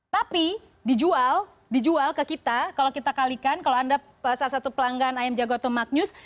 tapi dijual dijual ke kita kalau kita kalikan kalau anda salah satu pelanggan ayam jago atau maknyus